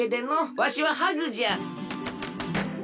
わしはハグじゃ。